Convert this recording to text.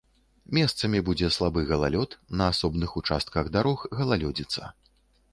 Месцамі будзе слабы галалёд, на асобных участках дарог галалёдзіца.